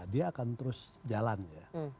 dia akan terus jalan ya